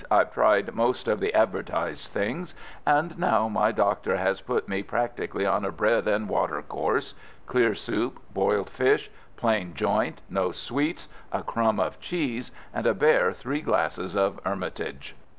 I've tried most of the advertised things, and now my doctor has put me practically on a bread and water course clear soup, boiled fish, plain joint, no sweets, a crumb of cheese, and a bare three glasses of Hermitage."